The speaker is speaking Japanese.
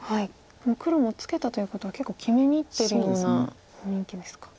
黒もツケたということは結構決めにいってるような雰囲気ですか。